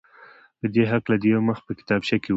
په دې هکله دې یو مخ په کتابچه کې ولیکي.